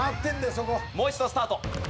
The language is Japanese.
もう一度スタート。